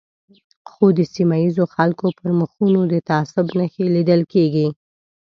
خو د سیمه ییزو خلکو پر مخونو د تعصب نښې لیدل کېږي.